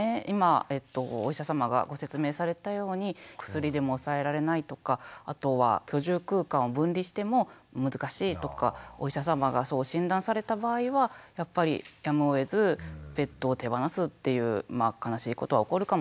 今お医者さまがご説明されたように薬でも抑えられないとかあとは居住空間を分離しても難しいとかお医者さまがそう診断された場合はやっぱりやむをえずペットを手放すっていう悲しいことは起こるかもしれません。